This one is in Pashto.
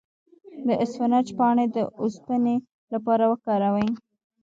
د اسفناج پاڼې د اوسپنې لپاره وکاروئ